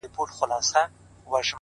پوره اته دانې سمعان ويلي كړل ـ